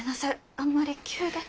あんまり急で。